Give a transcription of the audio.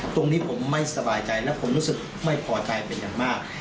ตรงนี้ผมไม่สบายใจและผมรู้สึกไม่พอใจเป็นอย่างมาก